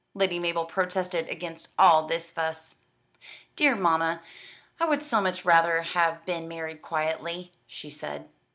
Lady Mabel protested against all this fuss. "Dear mamma, I would so much rather have been married quietly,' she said.